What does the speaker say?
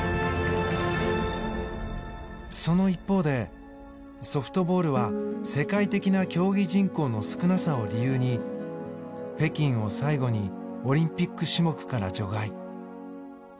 その一方でソフトボールは世界的な競技人口の少なさを理由に北京を最後にオリンピック種目から除外。